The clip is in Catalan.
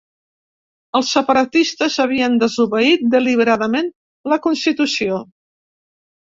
Els separatistes havien desobeït deliberadament la constitució.